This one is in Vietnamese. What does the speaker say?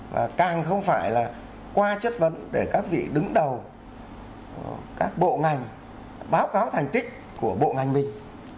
và càng không phải là qua chất vấn để các vị đứng đầu các bộ ngành báo cáo thành tích của bộ ngành mình